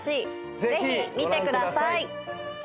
ぜひご覧ください。